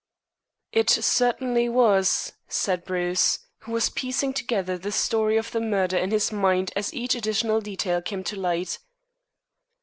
"It certainly was," said Bruce, who was piecing together the story of the murder in his mind as each additional detail came to light.